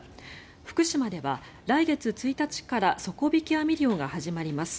福島では来月１日から底引き網漁が始まります。